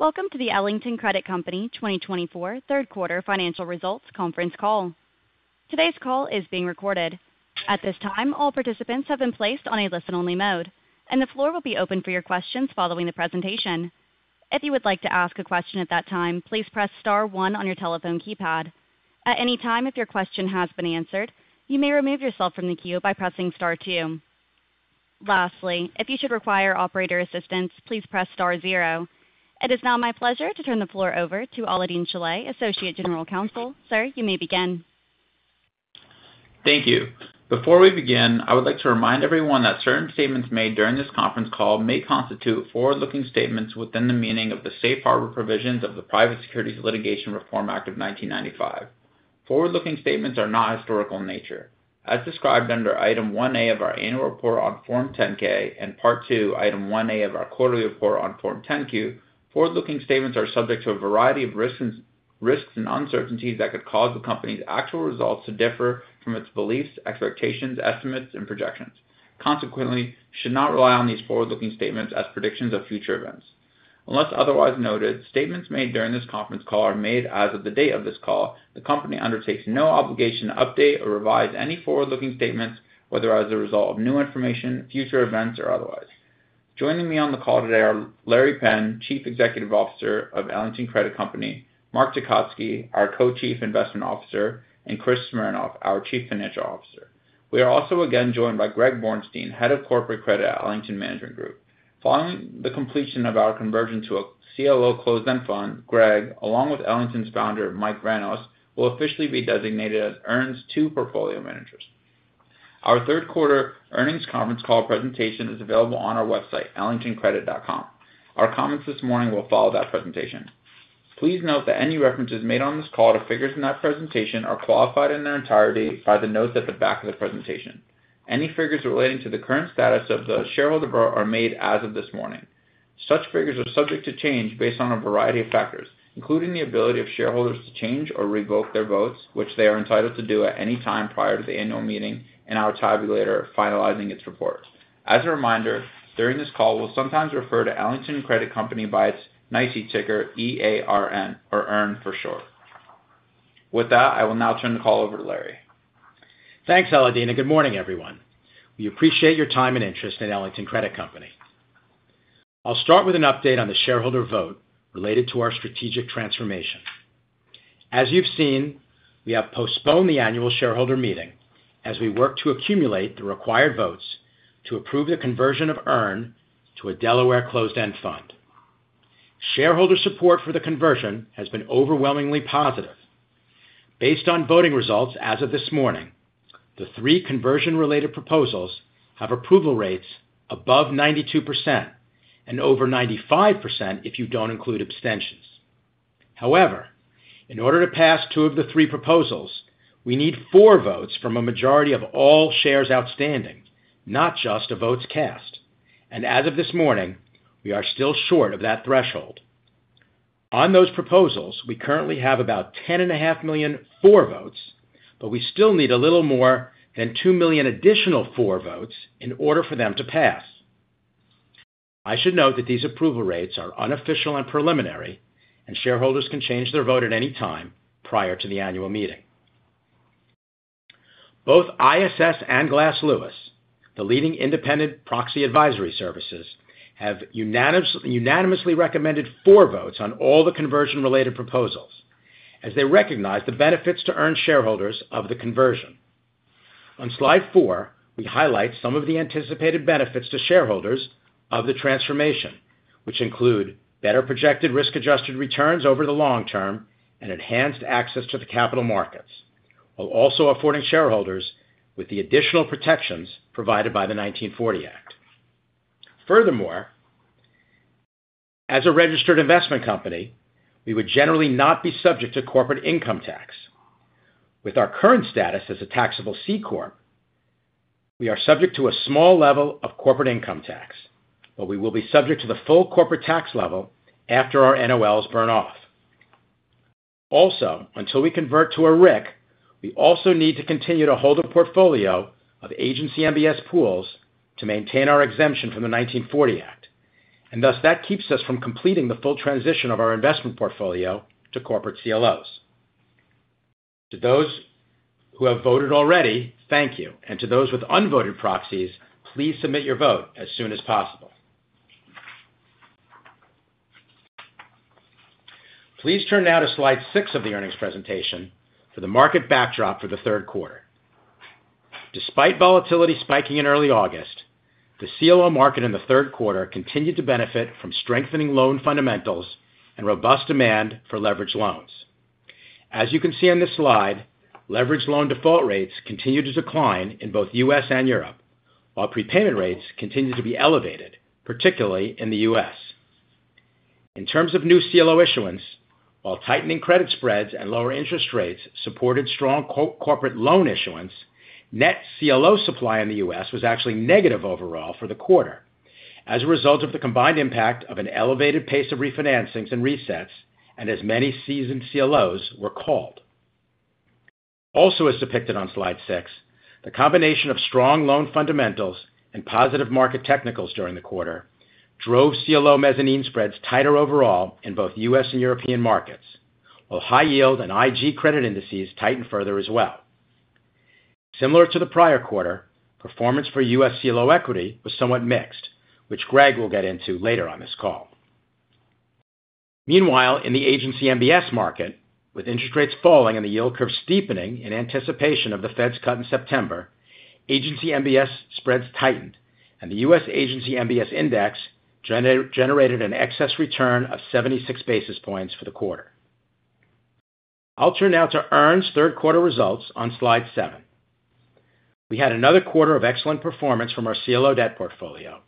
Welcome to the Ellington Credit Company 2024 third quarter financial results conference call. Today's call is being recorded. At this time, all participants have been placed on a listen-only mode, and the floor will be open for your questions following the presentation. If you would like to ask a question at that time, please press star one on your telephone keypad. At any time, if your question has been answered, you may remove yourself from the queue by pressing star two. Lastly, if you should require operator assistance, please press star zero. It is now my pleasure to turn the floor over to Alaael-Deen Shilleh, Associate General Counsel. Sir, you may begin. Thank you. Before we begin, I would like to remind everyone that certain statements made during this conference call may constitute forward-looking statements within the meaning of the Safe Harbor Provisions of the Private Securities Litigation Reform Act of 1995. Forward-looking statements are not historical in nature. As described under Item 1A of our annual report on Form 10-K and Part II, Item 1A of our quarterly report on Form 10-Q, forward-looking statements are subject to a variety of risks and uncertainties that could cause the company's actual results to differ from its beliefs, expectations, estimates, and projections. Consequently, should not rely on these forward-looking statements as predictions of future events. Unless otherwise noted, statements made during this conference call are made as of the date of this call. The company undertakes no obligation to update or revise any forward-looking statements, whether as a result of new information, future events, or otherwise. Joining me on the call today are Larry Penn, Chief Executive Officer of Ellington Credit Company, Mark Tecotzky, our Co-Chief Investment Officer, and Chris Smernoff, our Chief Financial Officer. We are also again joined by Greg Borenstein, Head of Corporate Credit at Ellington Management Group. Following the completion of our conversion to a CLO closed-end fund, Greg, along with Ellington's founder, Mike Vranos, will officially be designated as EARN's two portfolio managers. Our third quarter earnings conference call presentation is available on our website, ellingtoncredit.com. Our comments this morning will follow that presentation. Please note that any references made on this call to figures in that presentation are qualified in their entirety by the notes at the back of the presentation. Any figures relating to the current status of the shareholder vote are made as of this morning. Such figures are subject to change based on a variety of factors, including the ability of shareholders to change or revoke their votes, which they are entitled to do at any time prior to the annual meeting and our tabulator finalizing its report. As a reminder, during this call, we'll sometimes refer to Ellington Credit Company by its NYSE ticker, EARN, or Earn for short. With that, I will now turn the call over to Larry. Thanks, Alaael-Deen. Good morning, everyone. We appreciate your time and interest in Ellington Credit Company. I'll start with an update on the shareholder vote related to our strategic transformation. As you've seen, we have postponed the annual shareholder meeting as we work to accumulate the required votes to approve the conversion of Earn to a Delaware closed-end fund. Shareholder support for the conversion has been overwhelmingly positive. Based on voting results as of this morning, the three conversion-related proposals have approval rates above 92% and over 95% if you don't include abstentions. However, in order to pass two of the three proposals, we need votes from a majority of all shares outstanding, not just votes cast. And as of this morning, we are still short of that threshold. On those proposals, we currently have about 10.5 million FOR votes, but we still need a little more than 2 million additional FOR votes in order for them to pass. I should note that these approval rates are unofficial and preliminary, and shareholders can change their vote at any time prior to the annual meeting. Both ISS and Glass Lewis, the leading independent proxy advisory services, have unanimously recommended FOR votes on all the conversion-related proposals as they recognize the benefits to EARN shareholders of the conversion. On slide four, we highlight some of the anticipated benefits to shareholders of the transformation, which include better projected risk-adjusted returns over the long term and enhanced access to the capital markets, while also affording shareholders with the additional protections provided by the 1940 Act. Furthermore, as a registered investment company, we would generally not be subject to corporate income tax. With our current status as a taxable C Corp, we are subject to a small level of corporate income tax, but we will be subject to the full corporate tax level after our NOLs burn off. Also, until we convert to a RIC, we also need to continue to hold a portfolio of agency MBS pools to maintain our exemption from the 1940 Act. And thus, that keeps us from completing the full transition of our investment portfolio to corporate CLOs. To those who have voted already, thank you. And to those with unvoted proxies, please submit your vote as soon as possible. Please turn now to slide six of the earnings presentation for the market backdrop for the third quarter. Despite volatility spiking in early August, the CLO market in the third quarter continued to benefit from strengthening loan fundamentals and robust demand for leveraged loans. As you can see on this slide, leveraged loan default rates continued to decline in both the U.S. and Europe, while prepayment rates continued to be elevated, particularly in the U.S. In terms of new CLO issuance, while tightening credit spreads and lower interest rates supported strong corporate loan issuance, net CLO supply in the U.S. was actually negative overall for the quarter as a result of the combined impact of an elevated pace of refinancings and resets, and as many seasoned CLOs were called. Also, as depicted on slide six, the combination of strong loan fundamentals and positive market technicals during the quarter drove CLO mezzanine spreads tighter overall in both U.S. and European markets, while high yield and IG credit indices tightened further as well. Similar to the prior quarter, performance for U.S. CLO equity was somewhat mixed, which Greg will get into later on this call. Meanwhile, in the agency MBS market, with interest rates falling and the yield curve steepening in anticipation of the Fed's cut in September, agency MBS spreads tightened, and the U.S. agency MBS index generated an excess return of 76 basis points for the quarter. I'll turn now to Earn's third quarter results on slide seven. We had another quarter of excellent performance from our CLO debt portfolio,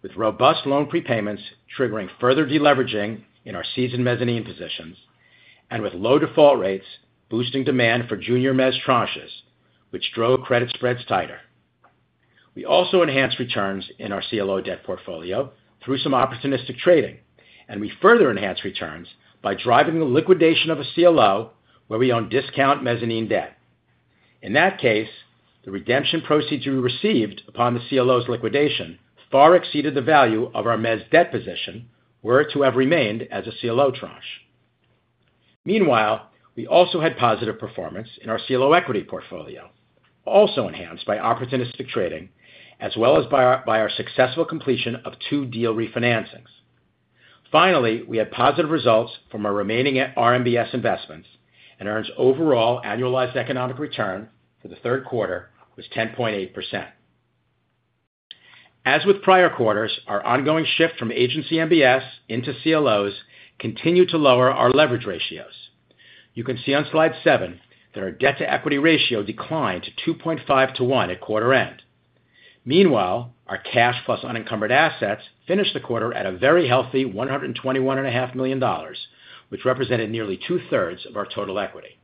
with robust loan prepayments triggering further deleveraging in our seasoned mezzanine positions, and with low default rates boosting demand for junior mezz tranches, which drove credit spreads tighter. We also enhanced returns in our CLO debt portfolio through some opportunistic trading, and we further enhanced returns by driving the liquidation of a CLO where we own discount mezzanine debt. In that case, the redemption proceeds we received upon the CLO's liquidation far exceeded the value of our mezz debt position were it to have remained as a CLO tranche. Meanwhile, we also had positive performance in our CLO equity portfolio, also enhanced by opportunistic trading, as well as by our successful completion of two deal refinancings. Finally, we had positive results from our remaining RMBS investments, and Earn's overall annualized economic return for the third quarter was 10.8%. As with prior quarters, our ongoing shift from agency MBS into CLOs continued to lower our leverage ratios. You can see on slide seven that our debt-to-equity ratio declined to 2.5-to-1 at quarter end. Meanwhile, our cash plus unencumbered assets finished the quarter at a very healthy $121.5 million, which represented nearly two-thirds of our total equity.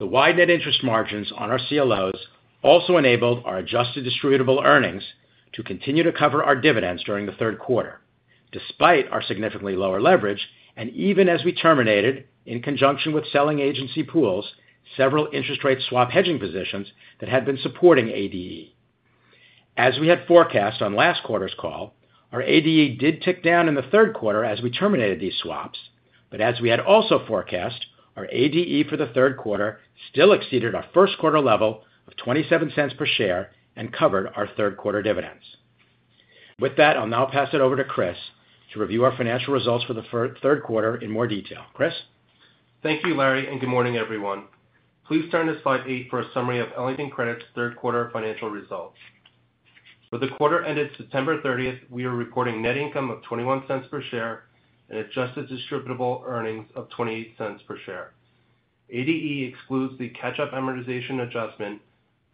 The wide net interest margins on our CLOs also enabled our adjusted distributable earnings to continue to cover our dividends during the third quarter, despite our significantly lower leverage, and even as we terminated in conjunction with selling agency pools several interest rate swap hedging positions that had been supporting ADE. As we had forecast on last quarter's call, our ADE did tick down in the third quarter as we terminated these swaps, but as we had also forecast, our ADE for the third quarter still exceeded our first quarter level of $0.27 per share and covered our third quarter dividends. With that, I'll now pass it over to Chris to review our financial results for the third quarter in more detail. Chris? Thank you, Larry, and good morning, everyone. Please turn to slide eight for a summary of Ellington Credit's third quarter financial results. For the quarter ended September 30th, we are reporting net income of $0.21 per share and adjusted distributable earnings of $0.28 per share. ADE excludes the catch-up amortization adjustment,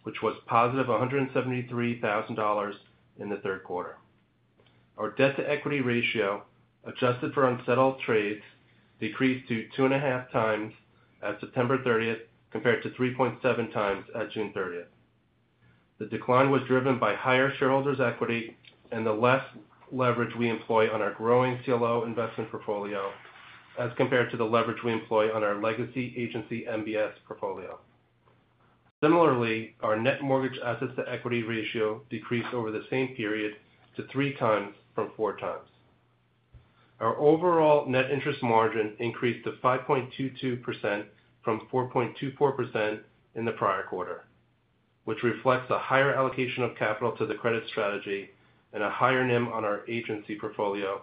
which was positive $173,000 in the third quarter. Our debt-to-equity ratio, adjusted for unsettled trades, decreased to 2.5 times at September 30th compared to 3.7 times at June 30th. The decline was driven by higher shareholders' equity and the less leverage we employ on our growing CLO investment portfolio as compared to the leverage we employ on our legacy agency MBS portfolio. Similarly, our net mortgage assets-to-equity ratio decreased over the same period to 3 times from 4 times. Our overall net interest margin increased to 5.22% from 4.24% in the prior quarter, which reflects a higher allocation of capital to the credit strategy and a higher NIM on our agency portfolio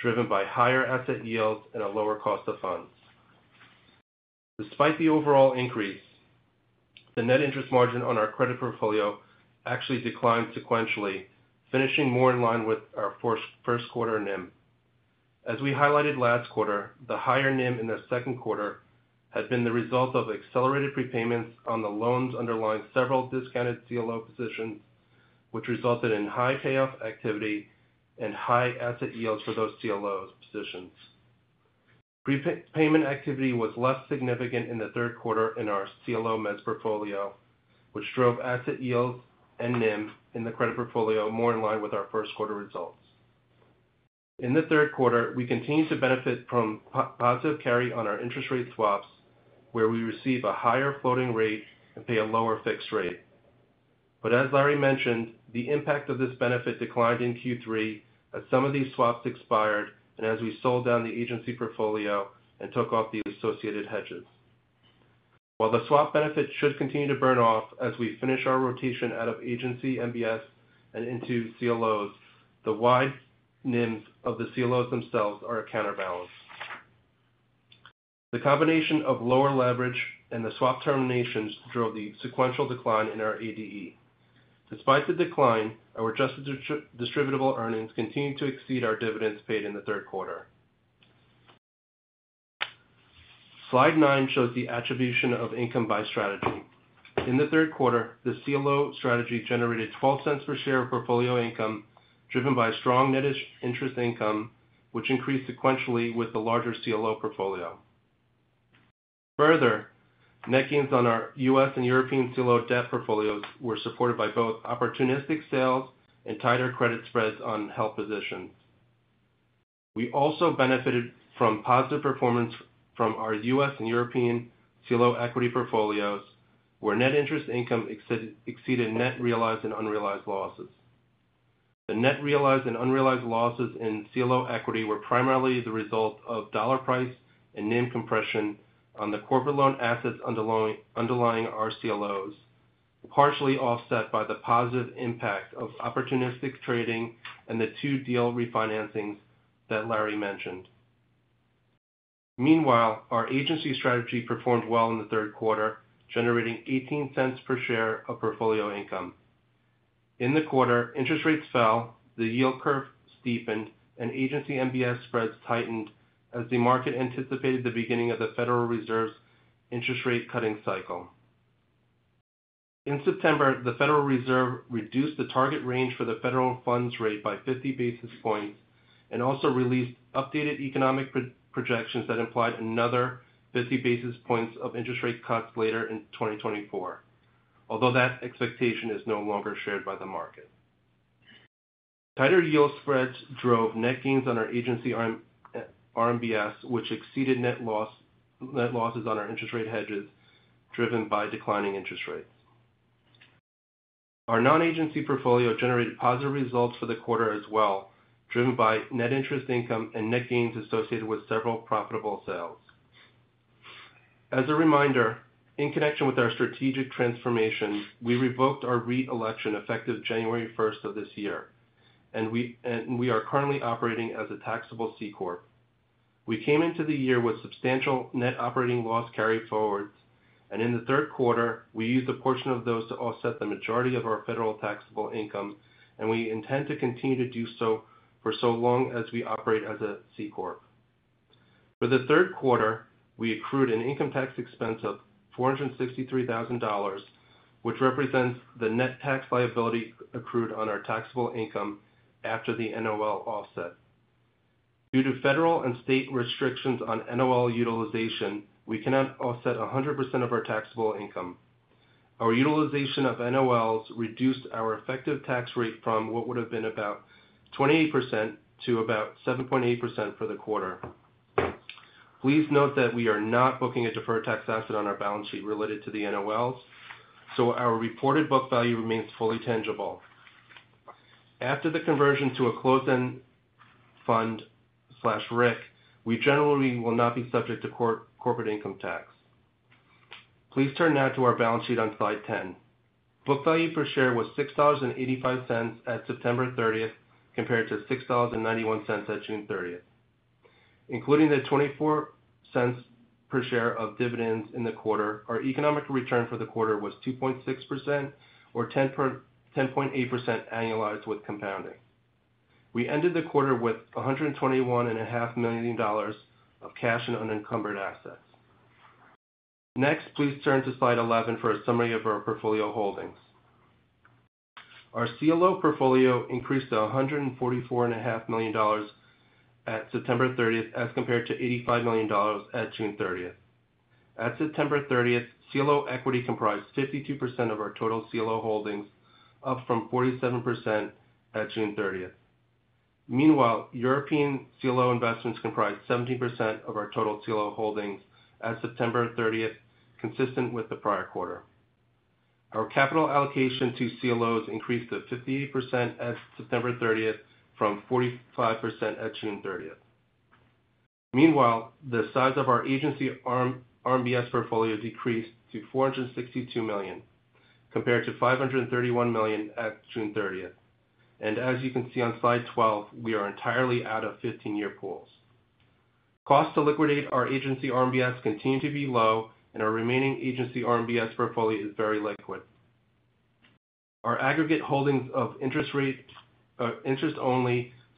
driven by higher asset yields and a lower cost of funds. Despite the overall increase, the net interest margin on our credit portfolio actually declined sequentially, finishing more in line with our first quarter NIM. As we highlighted last quarter, the higher NIM in the second quarter had been the result of accelerated prepayments on the loans underlying several discounted CLO positions, which resulted in high payoff activity and high asset yields for those CLO positions. Prepayment activity was less significant in the third quarter in our CLO mezz portfolio, which drove asset yields and NIM in the credit portfolio more in line with our first quarter results. In the third quarter, we continued to benefit from positive carry on our interest rate swaps, where we receive a higher floating rate and pay a lower fixed rate. But as Larry mentioned, the impact of this benefit declined in Q3 as some of these swaps expired and as we sold down the agency portfolio and took off the associated hedges. While the swap benefit should continue to burn off as we finish our rotation out of Agency MBS and into CLOs, the wide NIMs of the CLOs themselves are a counterbalance. The combination of lower leverage and the swap terminations drove the sequential decline in our ADE. Despite the decline, our adjusted distributable earnings continued to exceed our dividends paid in the third quarter. Slide nine shows the attribution of income by strategy. In the third quarter, the CLO strategy generated $0.12 per share of portfolio income driven by strong net interest income, which increased sequentially with the larger CLO portfolio. Further, net gains on our U.S. and European CLO debt portfolios were supported by both opportunistic sales and tighter credit spreads on held positions. We also benefited from positive performance from our U.S. and European CLO equity portfolios, where net interest income exceeded net realized and unrealized losses. The net realized and unrealized losses in CLO equity were primarily the result of dollar price and NIM compression on the corporate loan assets underlying our CLOs, partially offset by the positive impact of opportunistic trading and the two deal refinancings that Larry mentioned. Meanwhile, our agency strategy performed well in the third quarter, generating $0.18 per share of portfolio income. In the quarter, interest rates fell, the yield curve steepened, and agency MBS spreads tightened as the market anticipated the beginning of the Federal Reserve's interest rate cutting cycle. In September, the Federal Reserve reduced the target range for the federal funds rate by 50 basis points and also released updated economic projections that implied another 50 basis points of interest rate cuts later in 2024, although that expectation is no longer shared by the market. Tighter yield spreads drove net gains on our agency RMBS, which exceeded net losses on our interest rate hedges driven by declining interest rates. Our non-agency portfolio generated positive results for the quarter as well, driven by net interest income and net gains associated with several profitable sales. As a reminder, in connection with our strategic transformation, we revoked our election effective January 1st of this year, and we are currently operating as a taxable C Corp. We came into the year with substantial net operating loss carry forwards, and in the third quarter, we used a portion of those to offset the majority of our federal taxable income, and we intend to continue to do so for so long as we operate as a C Corp. For the third quarter, we accrued an income tax expense of $463,000, which represents the net tax liability accrued on our taxable income after the NOL offset. Due to federal and state restrictions on NOL utilization, we cannot offset 100% of our taxable income. Our utilization of NOLs reduced our effective tax rate from what would have been about 28% to about 7.8% for the quarter. Please note that we are not booking a deferred tax asset on our balance sheet related to the NOLs, so our reported book value remains fully tangible. After the conversion to a closed-end fund/RIC, we generally will not be subject to corporate income tax. Please turn now to our balance sheet on slide 10. Book value per share was $6.85 at September 30th compared to $6.91 at June 30th. Including the $0.24 per share of dividends in the quarter, our economic return for the quarter was 2.6% or 10.8% annualized with compounding. We ended the quarter with $121.5 million of cash and unencumbered assets. Next, please turn to slide 11 for a summary of our portfolio holdings. Our CLO portfolio increased to $144.5 million at September 30th as compared to $85 million at June 30th. At September 30th, CLO equity comprised 52% of our total CLO holdings, up from 47% at June 30th. Meanwhile, European CLO investments comprised 17% of our total CLO holdings at September 30th, consistent with the prior quarter. Our capital allocation to CLOs increased to 58% at September 30th from 45% at June 30th. Meanwhile, the size of our agency RMBS portfolio decreased to $462 million compared to $531 million at June 30th, and as you can see on slide 12, we are entirely out of 15-year pools. Costs to liquidate our agency RMBS continue to be low, and our remaining agency RMBS portfolio is very liquid. Our aggregate holdings of interest-only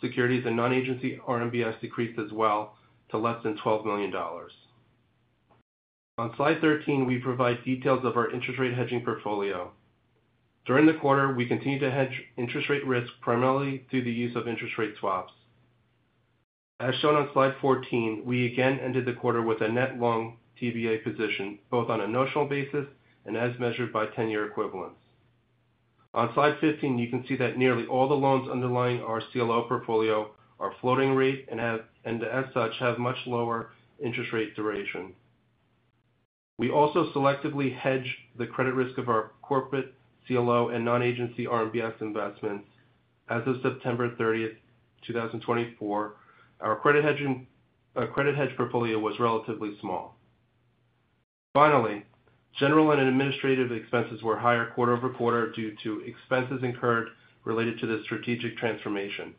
securities and non-agency RMBS decreased as well to less than $12 million. On slide 13, we provide details of our interest rate hedging portfolio. During the quarter, we continued to hedge interest rate risk primarily through the use of interest rate swaps. As shown on slide 14, we again ended the quarter with a net long TBA position, both on a notional basis and as measured by 10-year equivalents. On slide 15, you can see that nearly all the loans underlying our CLO portfolio are floating rate and, as such, have much lower interest rate duration. We also selectively hedged the credit risk of our corporate CLO and non-agency RMBS investments. As of September 30th, 2024, our credit hedge portfolio was relatively small. Finally, general and administrative expenses were higher quarter over quarter due to expenses incurred related to the strategic transformation.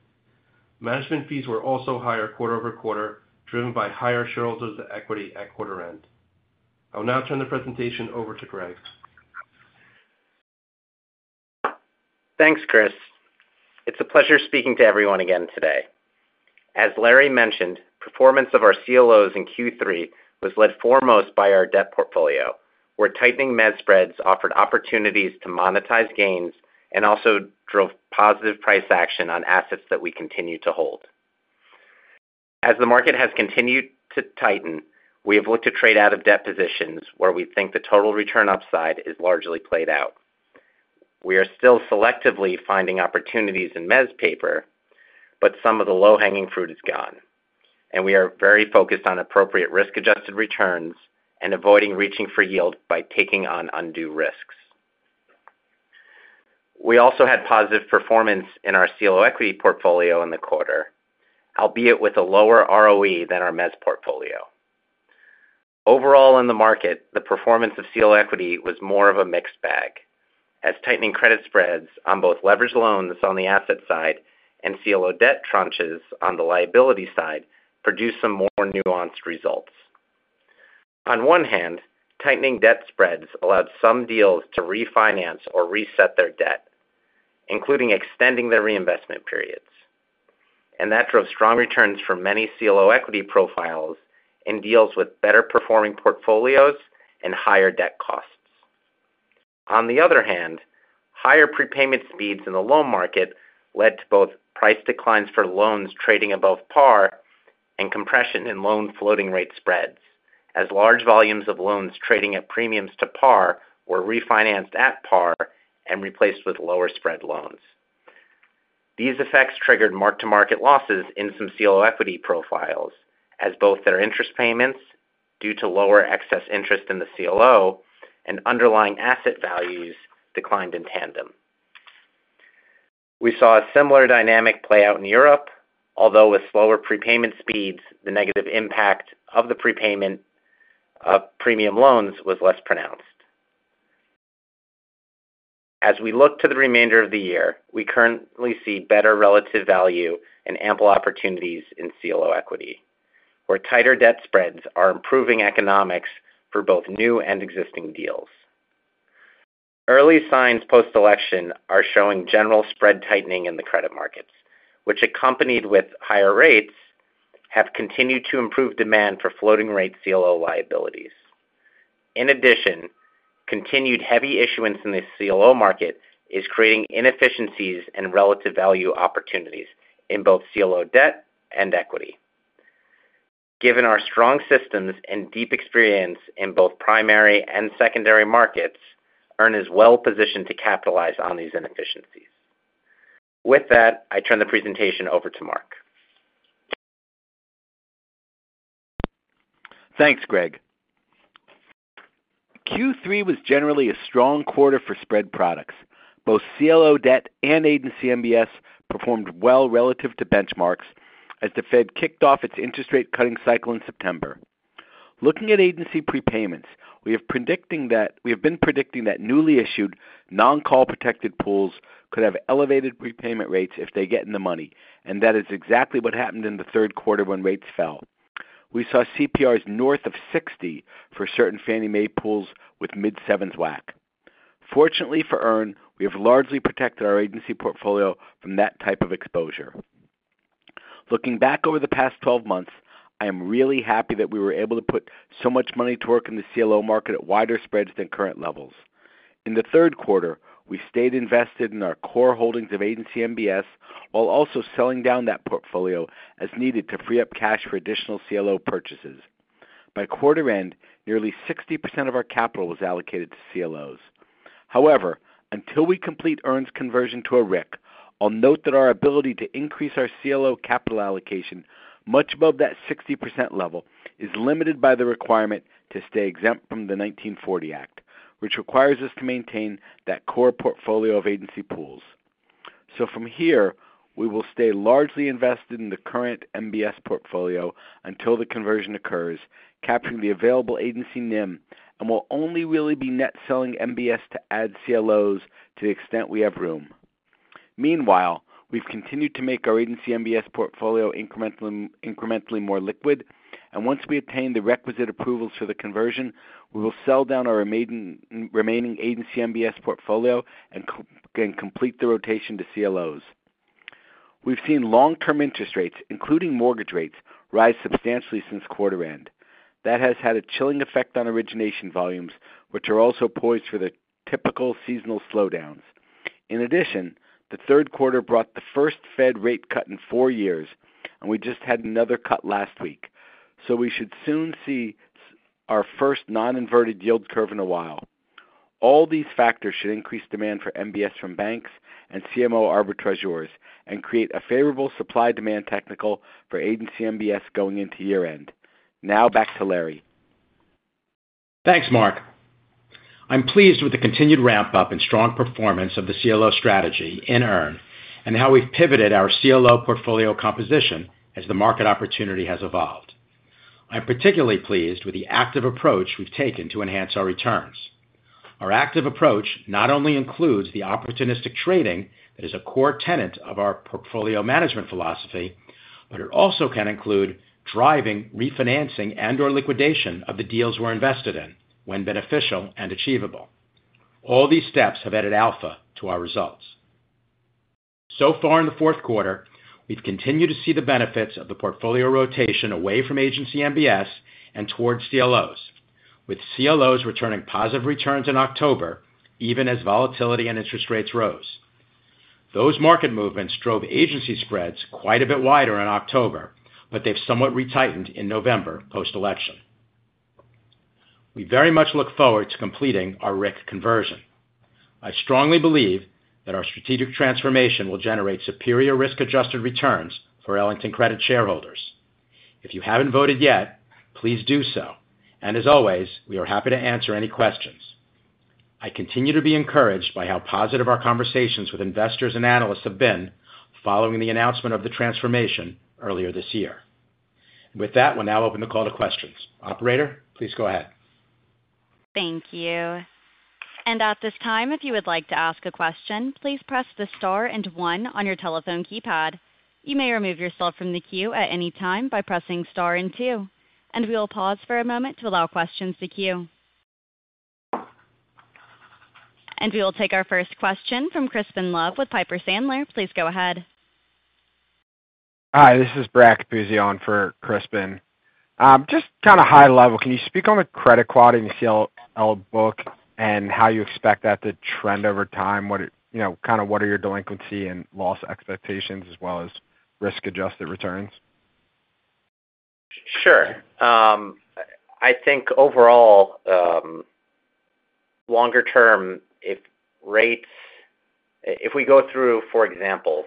Management fees were also higher quarter over quarter, driven by higher shareholders' equity at quarter end. I'll now turn the presentation over to Greg. Thanks, Chris. It's a pleasure speaking to everyone again today. As Larry mentioned, performance of our CLOs in Q3 was led foremost by our debt portfolio, where tightening mezz spreads offered opportunities to monetize gains and also drove positive price action on assets that we continue to hold. As the market has continued to tighten, we have looked to trade out of debt positions, where we think the total return upside is largely played out. We are still selectively finding opportunities in mezz paper, but some of the low-hanging fruit is gone, and we are very focused on appropriate risk-adjusted returns and avoiding reaching for yield by taking on undue risks. We also had positive performance in our CLO equity portfolio in the quarter, albeit with a lower ROE than our mezz portfolio. Overall, in the market, the performance of CLO equity was more of a mixed bag, as tightening credit spreads on both leveraged loans on the asset side and CLO debt tranches on the liability side produced some more nuanced results. On one hand, tightening debt spreads allowed some deals to refinance or reset their debt, including extending their reinvestment periods. And that drove strong returns for many CLO equity profiles and deals with better-performing portfolios and higher debt costs. On the other hand, higher prepayment speeds in the loan market led to both price declines for loans trading above par and compression in loan floating rate spreads, as large volumes of loans trading at premiums to par were refinanced at par and replaced with lower spread loans. These effects triggered mark-to-market losses in some CLO equity profiles, as both their interest payments, due to lower excess interest in the CLO, and underlying asset values declined in tandem. We saw a similar dynamic play out in Europe, although with slower prepayment speeds, the negative impact of the prepayment of premium loans was less pronounced. As we look to the remainder of the year, we currently see better relative value and ample opportunities in CLO equity, where tighter debt spreads are improving economics for both new and existing deals. Early signs post-election are showing general spread tightening in the credit markets, which, accompanied with higher rates, have continued to improve demand for floating-rate CLO liabilities. In addition, continued heavy issuance in the CLO market is creating inefficiencies and relative value opportunities in both CLO debt and equity. Given our strong systems and deep experience in both primary and secondary markets, EARN is well-positioned to capitalize on these inefficiencies. With that, I turn the presentation over to Mark. Thanks, Greg. Q3 was generally a strong quarter for spread products. Both CLO debt and agency MBS performed well relative to benchmarks as the Fed kicked off its interest rate cutting cycle in September. Looking at agency prepayments, we have been predicting that newly issued non-call protected pools could have elevated prepayment rates if they get in the money, and that is exactly what happened in the third quarter when rates fell. We saw CPRs north of 60 for certain Fannie Mae pools with mid-sevens WAC. Fortunately for EARN, we have largely protected our agency portfolio from that type of exposure. Looking back over the past 12 months, I am really happy that we were able to put so much money to work in the CLO market at wider spreads than current levels. In the third quarter, we stayed invested in our core holdings of agency MBS while also selling down that portfolio as needed to free up cash for additional CLO purchases. By quarter end, nearly 60% of our capital was allocated to CLOs. However, until we complete EARN's conversion to a RIC, I'll note that our ability to increase our CLO capital allocation much above that 60% level is limited by the requirement to stay exempt from the 1940 Act, which requires us to maintain that core portfolio of agency pools. So from here, we will stay largely invested in the current MBS portfolio until the conversion occurs, capturing the available agency NIM, and we'll only really be net selling MBS to add CLOs to the extent we have room. Meanwhile, we've continued to make our Agency MBS portfolio incrementally more liquid, and once we attain the requisite approvals for the conversion, we will sell down our remaining Agency MBS portfolio and complete the rotation to CLOs. We've seen long-term interest rates, including mortgage rates, rise substantially since quarter-end. That has had a chilling effect on origination volumes, which are also poised for the typical seasonal slowdowns. In addition, the third quarter brought the first Fed rate cut in four years, and we just had another cut last week, so we should soon see our first non-inverted yield curve in a while. All these factors should increase demand for MBS from banks and CMO arbitrageurs and create a favorable supply-demand technical for Agency MBS going into year-end. Now, back to Larry. Thanks, Mark. I'm pleased with the continued ramp-up and strong performance of the CLO strategy in EARN and how we've pivoted our CLO portfolio composition as the market opportunity has evolved. I'm particularly pleased with the active approach we've taken to enhance our returns. Our active approach not only includes the opportunistic trading that is a core tenet of our portfolio management philosophy, but it also can include driving, refinancing, and/or liquidation of the deals we're invested in when beneficial and achievable. All these steps have added alpha to our results. So far in the fourth quarter, we've continued to see the benefits of the portfolio rotation away from Agency MBS and towards CLOs, with CLOs returning positive returns in October, even as volatility and interest rates rose. Those market movements drove Agency spreads quite a bit wider in October, but they've somewhat retightened in November post-election. We very much look forward to completing our RIC conversion. I strongly believe that our strategic transformation will generate superior risk-adjusted returns for Ellington Credit shareholders. If you haven't voted yet, please do so, and as always, we are happy to answer any questions. I continue to be encouraged by how positive our conversations with investors and analysts have been following the announcement of the transformation earlier this year. With that, we'll now open the call to questions. Operator, please go ahead. Thank you. And at this time, if you would like to ask a question, please press the star and one on your telephone keypad. You may remove yourself from the queue at any time by pressing star and two. And we'll pause for a moment to allow questions to queue. And we will take our first question from Crispin Love with Piper Sandler. Please go ahead. Hi, this is Brett Capuzzi on for Crispin. Just kind of high level, can you speak on the credit quality in the CLO book and how you expect that to trend over time? Kind of what are your delinquency and loss expectations as well as risk-adjusted returns? Sure. I think overall, longer term, if rates, if we go through, for example,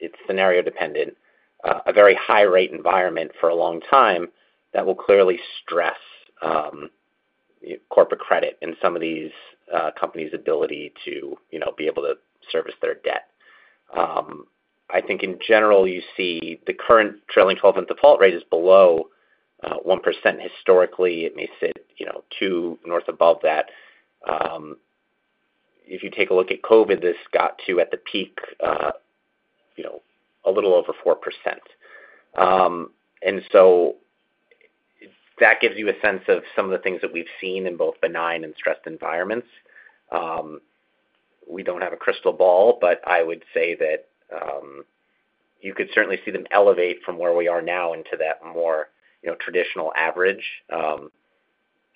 it's scenario-dependent, a very high-rate environment for a long time, that will clearly stress corporate credit and some of these companies' ability to be able to service their debt. I think in general, you see the current trailing 12-month default rate is below 1% historically. It may sit 2% north above that. If you take a look at COVID, this got to at the peak a little over 4%. And so that gives you a sense of some of the things that we've seen in both benign and stressed environments. We don't have a crystal ball, but I would say that you could certainly see them elevate from where we are now into that more traditional average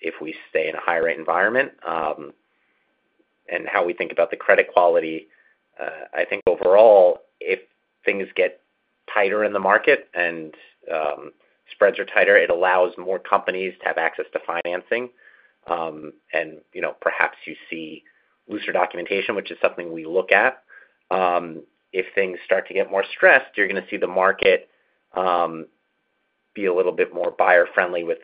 if we stay in a high-rate environment. And how we think about the credit quality, I think overall, if things get tighter in the market and spreads are tighter, it allows more companies to have access to financing. And perhaps you see looser documentation, which is something we look at. If things start to get more stressed, you're going to see the market be a little bit more buyer-friendly with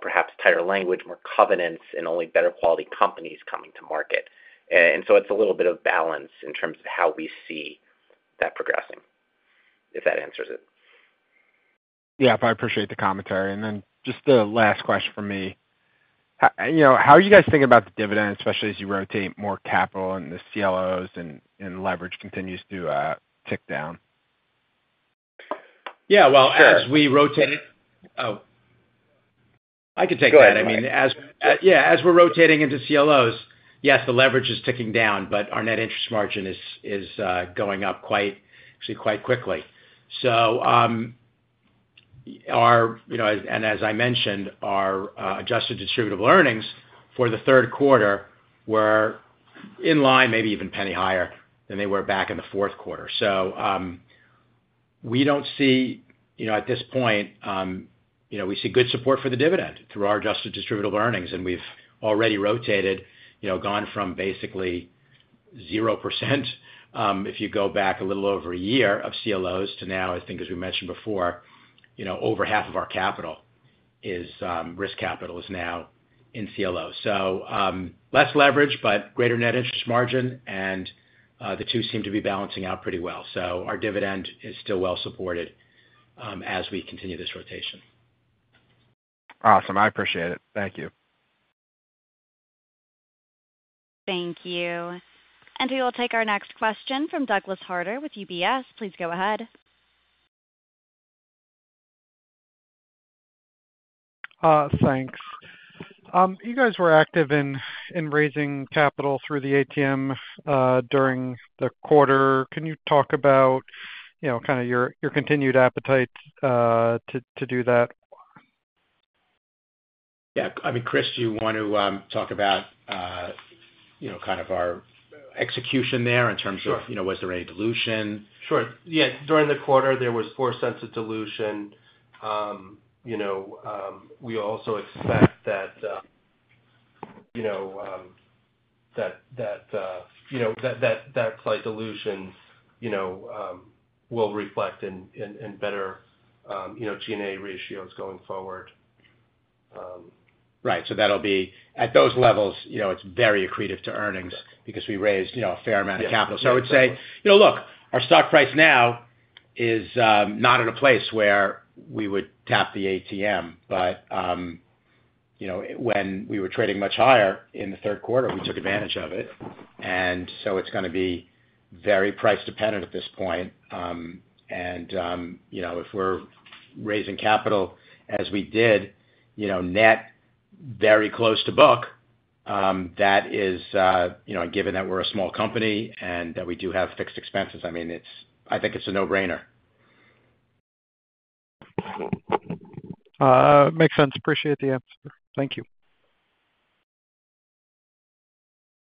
perhaps tighter language, more covenants, and only better-quality companies coming to market. And so it's a little bit of balance in terms of how we see that progressing, if that answers it. Yeah, I appreciate the commentary. And then just the last question for me. How are you guys thinking about the dividend, especially as you rotate more capital in the CLOs and leverage continues to tick down? Yeah, well, as we rotate, oh, I could take that. I mean, yeah, as we're rotating into CLOs, yes, the leverage is ticking down, but our net interest margin is going up actually quite quickly. And as I mentioned, our adjusted distributable earnings for the third quarter were in line, maybe even a penny higher than they were back in the fourth quarter. So we don't see at this point, we see good support for the dividend through our adjusted distributable earnings, and we've already rotated, gone from basically 0% if you go back a little over a year of CLOs to now, I think, as we mentioned before, over half of our capital is risk capital is now in CLOs. So less leverage, but greater net interest margin, and the two seem to be balancing out pretty well. So our dividend is still well-supported as we continue this rotation. Awesome. I appreciate it. Thank you. Thank you. And we will take our next question from Douglas Harter with UBS. Please go ahead. Thanks. You guys were active in raising capital through the ATM during the quarter. Can you talk about kind of your continued appetite to do that? Yeah. I mean, Chris, do you want to talk about kind of our execution there in terms of was there any dilution? Sure. Yeah. During the quarter, there was $0.04 of dilution. We also expect that that slight dilution will reflect in better G&A ratios going forward. Right, so that'll be at those levels. It's very accretive to earnings because we raised a fair amount of capital, so I would say, look, our stock price now is not at a place where we would tap the ATM, but when we were trading much higher in the third quarter, we took advantage of it, and so it's going to be very price-dependent at this point, and if we're raising capital as we did, net very close to book, that is given that we're a small company and that we do have fixed expenses, I mean, I think it's a no-brainer. Makes sense. Appreciate the answer. Thank you.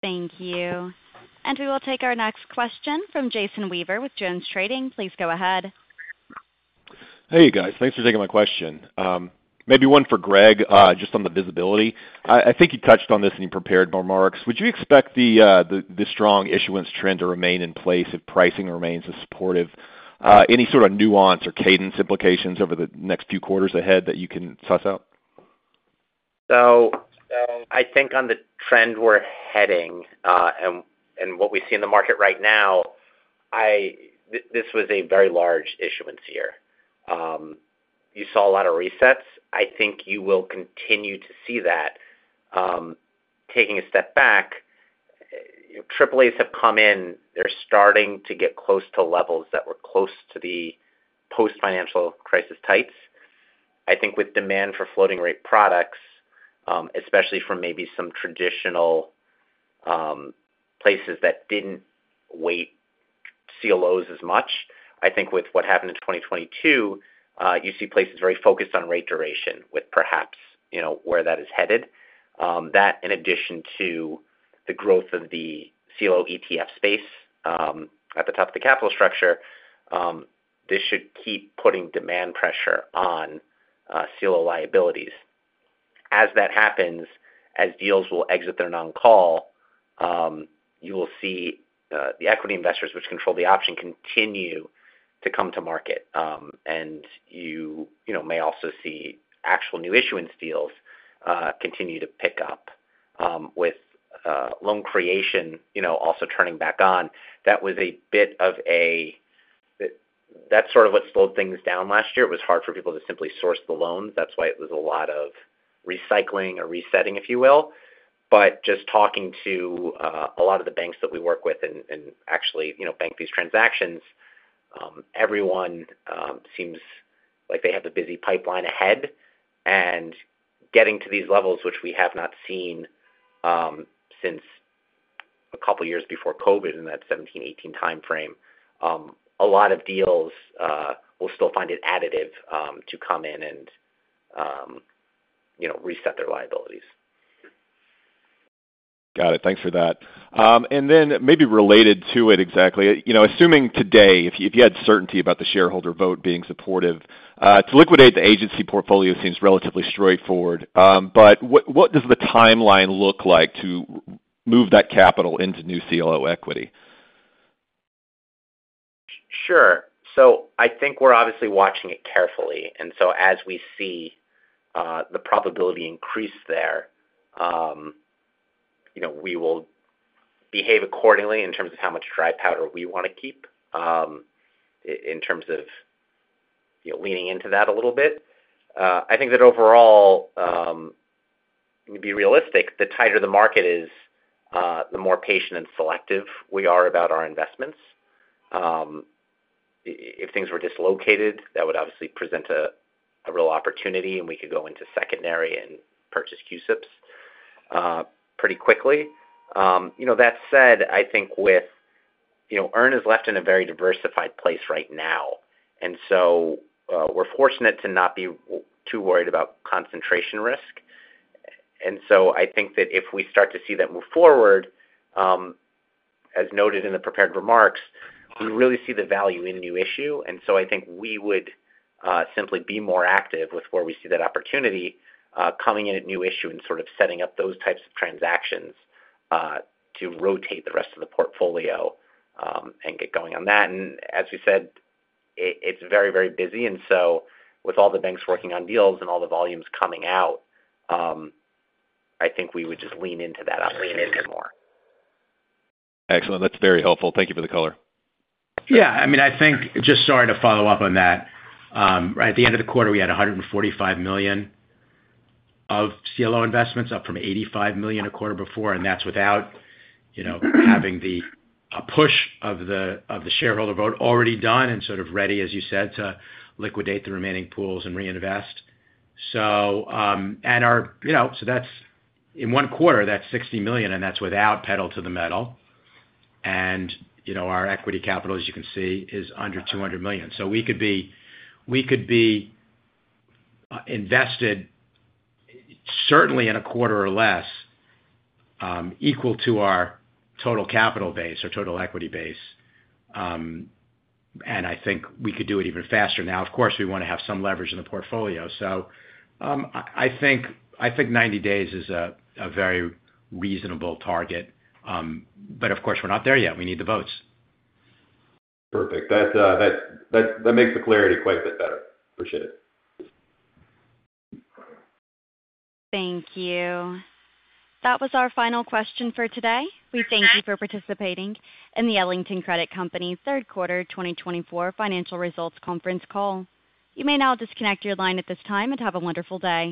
Thank you, and we will take our next question from Jason Weaver with JonesTrading. Please go ahead. Hey, guys. Thanks for taking my question. Maybe one for Greg, just on the visibility. I think you touched on this in your prepared remarks. Would you expect the strong issuance trend to remain in place if pricing remains supportive? Any sort of nuance or cadence implications over the next few quarters ahead that you can suss out? So I think on the trend we're heading and what we see in the market right now, this was a very large issuance year. You saw a lot of resets. I think you will continue to see that. Taking a step back, AAAs have come in. They're starting to get close to levels that were close to the post-financial crisis tights. I think with demand for floating-rate products, especially from maybe some traditional places that didn't weigh CLOs as much, I think with what happened in 2022, you see places very focused on rate duration with perhaps where that is headed. That, in addition to the growth of the CLO ETF space at the top of the capital structure, this should keep putting demand pressure on CLO liabilities. As that happens, as deals will exit their non-call, you will see the equity investors, which control the option, continue to come to market. And you may also see actual new issuance deals continue to pick up with loan creation also turning back on. That's sort of what slowed things down last year. It was hard for people to simply source the loans. That's why it was a lot of recycling or resetting, if you will. But just talking to a lot of the banks that we work with and actually bank these transactions, everyone seems like they have a busy pipeline ahead. And getting to these levels, which we have not seen since a couple of years before COVID in that 2017, 2018 timeframe, a lot of deals will still find it additive to come in and reset their liabilities. Got it. Thanks for that. And then maybe related to it exactly, assuming today, if you had certainty about the shareholder vote being supportive, to liquidate the agency portfolio seems relatively straightforward. But what does the timeline look like to move that capital into new CLO equity? Sure. So I think we're obviously watching it carefully. And so as we see the probability increase there, we will behave accordingly in terms of how much dry powder we want to keep in terms of leaning into that a little bit. I think that overall, to be realistic, the tighter the market is, the more patient and selective we are about our investments. If things were dislocated, that would obviously present a real opportunity, and we could go into secondary and purchase CLOs pretty quickly. That said, I think EARN is left in a very diversified place right now. And so we're fortunate to not be too worried about concentration risk. And so I think that if we start to see that move forward, as noted in the prepared remarks, we really see the value in new issue. And so I think we would simply be more active with where we see that opportunity coming in at new issue and sort of setting up those types of transactions to rotate the rest of the portfolio and get going on that. And as we said, it's very, very busy. And so with all the banks working on deals and all the volumes coming out, I think we would just lean into that opportunity more. Excellent. That's very helpful. Thank you for the color. Yeah. I mean, I think, just sorry to follow up on that. At the end of the quarter, we had $145 million of CLO investments, up from $85 million a quarter before. And that's without having the push of the shareholder vote already done and sort of ready, as you said, to liquidate the remaining pools and reinvest. And so that's in one quarter, that's $60 million, and that's without pedal to the metal. And our equity capital, as you can see, is under $200 million. So we could be invested certainly in a quarter or less equal to our total capital base or total equity base. And I think we could do it even faster now. Of course, we want to have some leverage in the portfolio. So I think 90 days is a very reasonable target. But of course, we're not there yet. We need the votes. Perfect. That makes the clarity quite a bit better. Appreciate it. Thank you. That was our final question for today. We thank you for participating in the Ellington Credit Company third quarter 2024 financial results conference call. You may now disconnect your line at this time and have a wonderful day.